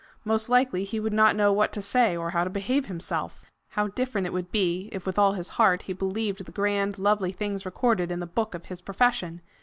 Most likely he would not know what to say, or how to behave himself! How different it would be if with all his heart he believed the grand lovely things recorded in the book of his profession!